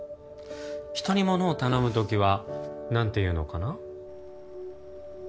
人にものを頼む時は何て言うのかな？